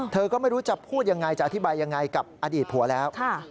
เธอก็ไม่รู้จะพูดยังไงจะอธิบายยังไงกับอดีตผัวแล้ว